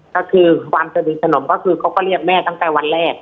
ก็คือความสนิทสนมก็คือเขาก็เรียกแม่ตั้งแต่วันแรก